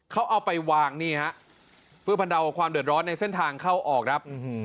เขาเอาไปวางนี่ฮะเพื่อบรรเทาความเดือดร้อนในเส้นทางเข้าออกครับ